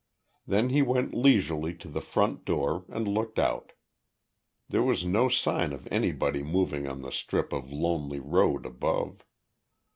Then he went leisurely to the front door and looked out. There was no sign of anybody moving on the strip of lonely road above.